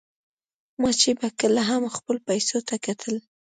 ما چې به کله هم خپلو پیسو ته کتل.